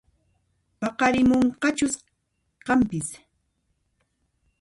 Pararimunqachus kanpis